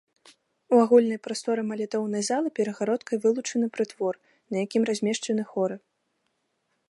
У агульнай прасторы малітоўнай залы перагародкай вылучаны прытвор, на якім размешчаны хоры.